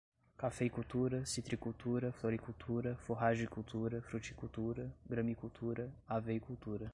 cafeicultura, citricultura, floricultura, forragicultura, fruticultura, gramicultura, haveicultura